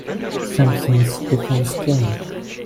Simpson's defense team.